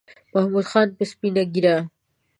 محمود خان په سپینه ګیره